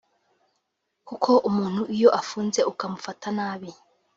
kuko umuntu iyo afunze ukamufata nabi